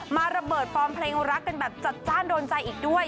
ระเบิดฟอร์มเพลงรักกันแบบจัดจ้านโดนใจอีกด้วย